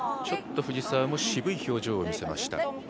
ちょっと藤澤も渋い表情を見せました。